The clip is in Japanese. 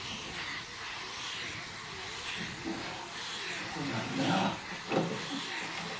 どこにあるんだよ？